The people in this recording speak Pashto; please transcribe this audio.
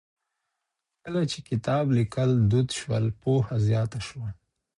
کله چې کتاب ليکل دود شول، پوهه زياته شوه.